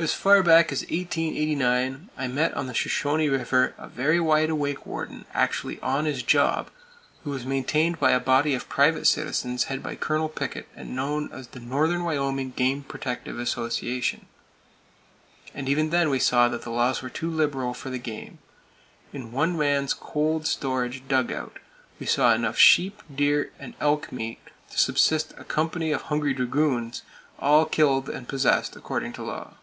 As far back as 1889, I met on the Shoshone River a very wide awake warden, actually "on his job," who was maintained by a body of private citizens headed by Col. Pickett and known as the Northern Wyoming Game Protective Association. And even then we saw that the laws were too liberal for the game. In one man's cold storage dug out we saw enough sheep, deer and elk meat to subsist a company of hungry dragoons, all killed and possessed according to law.